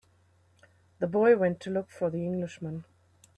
The boy went to look for the Englishman.